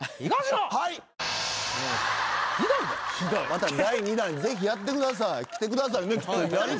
また第２弾ぜひやってください来てください。